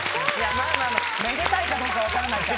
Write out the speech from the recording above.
まぁまぁめでたいかどうか分からないから。